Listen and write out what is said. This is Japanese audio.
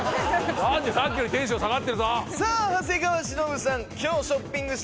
さっきよりテンション下がってるぞ！